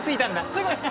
すごい。